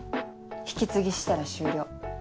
引き継ぎしたら終了。